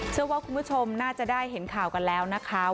เชื่อว่าคุณผู้ชมน่าจะได้เห็นข่าวกันแล้วนะคะ